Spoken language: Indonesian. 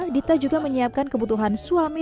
dita juga menyiapkan kebutuhan suami